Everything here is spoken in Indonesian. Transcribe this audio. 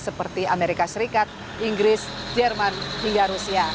seperti amerika serikat inggris jerman hingga rusia